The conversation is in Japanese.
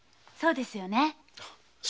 そうですよね。